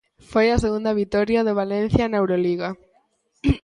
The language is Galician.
Foi a segunda vitoria do Valencia na Euroliga.